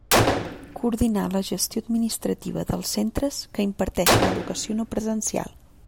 Coordinar la gestió administrativa dels centres que imparteixen educació no presencial.